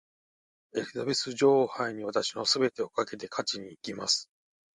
エリザベス女王杯に私の全てをかけて勝ちにいきます。